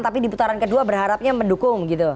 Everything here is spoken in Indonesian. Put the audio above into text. tapi di putaran kedua berharapnya mendukung gitu